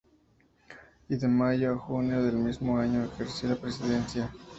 Y de mayo a junio del mismo año ejerció la presidencia.